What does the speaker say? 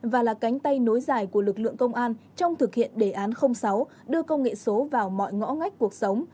và là cánh tay nối dài của lực lượng công an trong thực hiện đề án sáu đưa công nghệ số vào mọi ngõ ngách cuộc sống